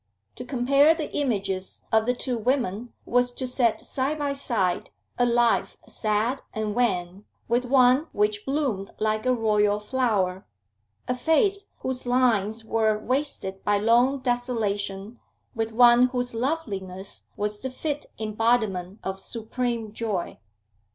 To compare the images of the two women was to set side by side a life sad and wan with one which bloomed like a royal flower, a face whose lines were wasted by long desolation with one whose loveliness was the fit embodiment of supreme joy.